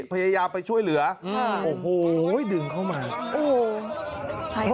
พยายามไปช่วยเหลืออืมโอ้โหดึงเข้ามาโอ้โห